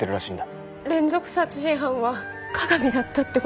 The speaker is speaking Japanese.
連続殺人犯は加賀美だったって事？